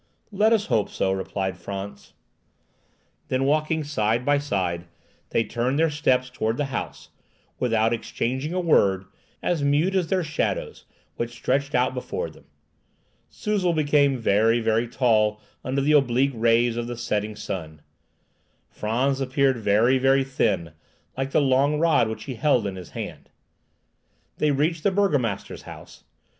"Let us hope so," replied Frantz. Then walking side by side, they turned their steps towards the house, without exchanging a word, as mute as their shadows which stretched out before them. Suzel became very, very tall under the oblique rays of the setting sun. Frantz appeared very, very thin, like the long rod which he held in his hand. They reached the burgomaster's house.